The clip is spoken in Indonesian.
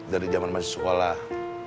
dari zaman masih sekolah